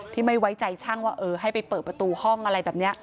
ไม่ไว้ใจช่างว่าเออให้ไปเปิดประตูห้องอะไรแบบนี้